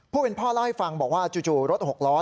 ผู้เป็นพ่อเล่าให้ฟังบอกว่าจู่รถ๖ล้อ